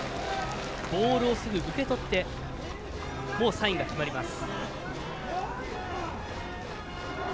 ボールをすぐ受け取ってもうサインが決まります。